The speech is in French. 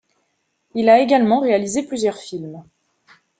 Il a également réalisé plusieurs films.